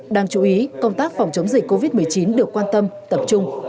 đáng chú ý công tác phòng chống dịch covid một mươi chín được quan tâm tập trung